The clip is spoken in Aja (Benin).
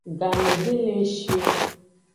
Game de le ng shi o.